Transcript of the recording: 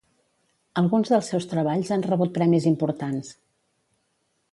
Alguns dels seus treballs han rebut premis importants.